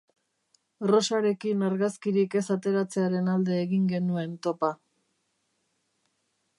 Rosarekin argazkirik ez ateratzearen alde egin genuen topa.